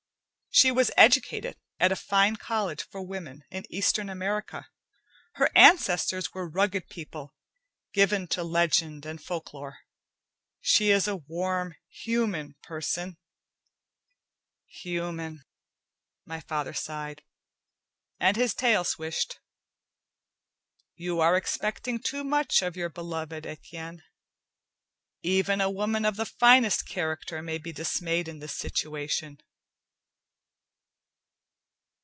"She was educated at a fine college for women in Eastern America. Her ancestors were rugged people, given to legend and folklore. She is a warm, human person " "Human," my father sighed, and his tail swished. "You are expecting too much of your beloved, Etienne. Even a woman of the finest character may be dismayed in this situation."